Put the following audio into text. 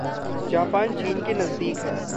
Japan चीन के नज़दीक है।